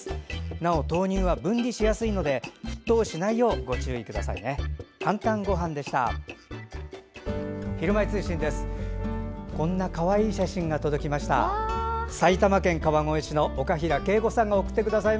なお豆乳は分離しやすいので沸騰しないよう、ご注意ください。